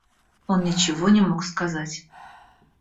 Он ничего не мог сказать.